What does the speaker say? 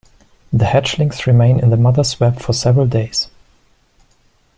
The hatchlings remain in the mother's web for several days.